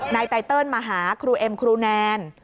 ไตเติลมาหาครูเอ็มครูแนน